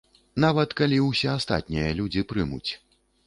Нават калі ўсе астатнія людзі прымуць.